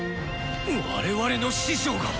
我々の師匠が。